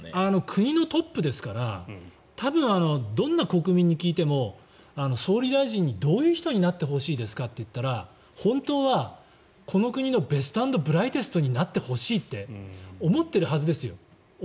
国のトップですから多分どんな国民に聞いても総理大臣にどういう人になってほしいですかと聞いたら本当はこの国のベスト・アンド・ブライテストになってほしいって思っているはずです。